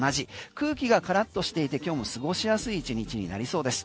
空気がカラッとしていて今日も過ごしやすい１日になりそうです。